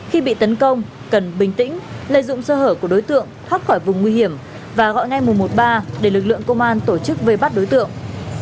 khi bị tấn công cần bình tĩnh lợi dụng sơ hở của đối tượng thoát khỏi vùng nguy hiểm và gọi ngay một trăm một mươi ba để lực lượng công an tổ chức vây bắt đối tượng